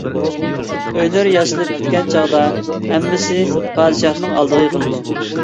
ئۆيلىرى ياسىلىپ پۈتكەن چاغدا، ھەممىسى پادىشاھنىڭ ئالدىغا يىغىلىدۇ.